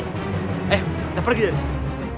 eh kita pergi dari sini